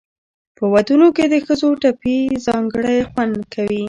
په ودونو کې د ښځو ټپې ځانګړی خوند لري.